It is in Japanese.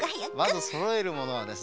まずそろえるものはですね